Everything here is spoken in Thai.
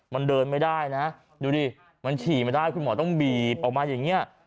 มันเดินไม่ได้นะดูดิมันฉี่ไม่ได้คุณหมอต้องบีบออกมาอย่างนี้